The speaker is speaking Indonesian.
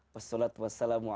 wassalamualaikum wr wb